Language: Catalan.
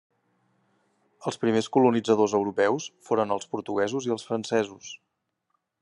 Els primers colonitzadors europeus foren els portuguesos i els francesos.